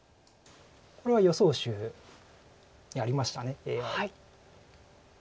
これは予想手にありましたＡＩ。